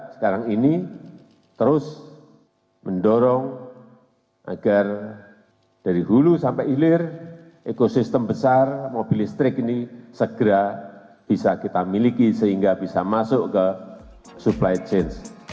sekarang ini terus mendorong agar dari hulu sampai hilir ekosistem besar mobil listrik ini segera bisa kita miliki sehingga bisa masuk ke supply chain